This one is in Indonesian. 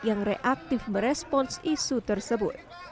yang reaktif merespons isu tersebut